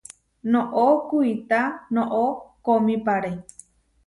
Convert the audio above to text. Noʼó kuitá noʼó koomípare.